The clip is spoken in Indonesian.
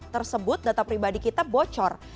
tersebut data pribadi kita bocor